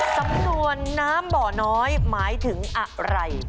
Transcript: สำนวนน้ำบ่อน้อยหมายถึงอะไร